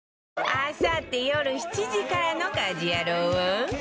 あさってよる７時からの『家事ヤロウ！！！』は